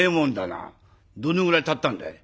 どのぐらい断ったんだい？